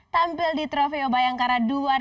tampil di trofeo bayangkara dua ribu enam belas